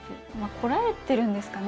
こらえてるんですかね。